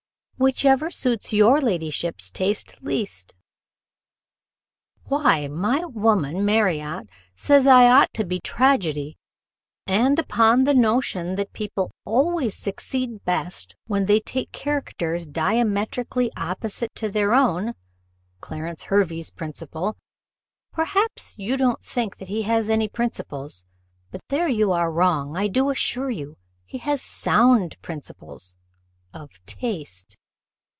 "Whichever suits your ladyship's taste least." "Why, my woman, Marriott, says I ought to be tragedy; and, upon the notion that people always succeed best when they take characters diametrically opposite to their own Clarence Hervey's principle perhaps you don't think that he has any principles; but there you are wrong; I do assure you, he has sound principles of taste."